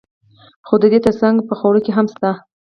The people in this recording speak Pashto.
خو د دې ترڅنګ په خوړو کې هم شته.